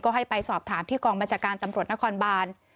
ให้ไปสอบถามที่กองบัญชาการตำรวจนครบาน